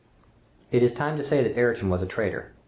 "It is time to say that Ayrton was a traitor.